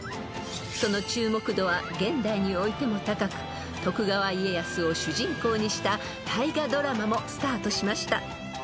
［その注目度は現代においても高く徳川家康を主人公にした大河ドラマもスタートしました］